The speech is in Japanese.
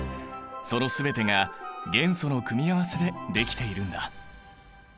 その全てが元素の組み合わせでできているんだ。